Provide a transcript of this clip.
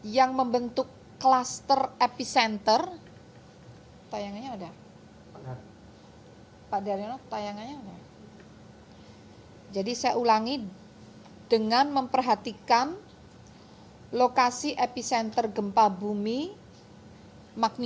yang memperhatikan lokasi epicenter gempa bumi yang enam sembilan ini